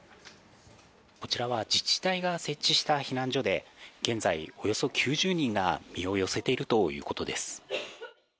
こちらは自治体が設置した避難所で、現在およそ９０人が身を寄せているということです。